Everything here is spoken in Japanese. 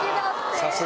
さすが。